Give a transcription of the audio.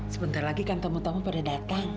sebentar lagi kan temu temu pada datang